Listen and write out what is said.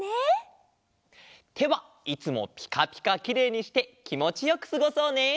てはいつもピカピカきれいにしてきもちよくすごそうね！